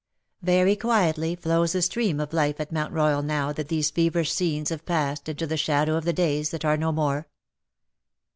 Very quietly flows the stream of life at Mount Royal now that these feverish scenes have passed into the shadow of the days that are no more.